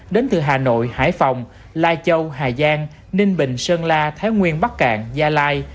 đến từ hà nội hải phòng lai châu hà giang ninh bình sơn la thái nguyên bắc cạn gia lai